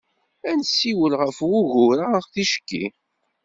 Ad nessiwel ɣef wugur-a ticki.